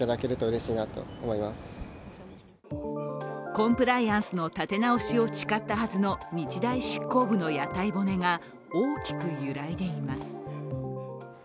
コンプライアンスの立て直しを誓ったはずの日大執行部の屋台骨が大きく揺らいでいます。